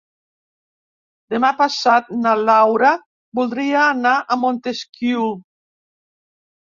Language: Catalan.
Demà passat na Laura voldria anar a Montesquiu.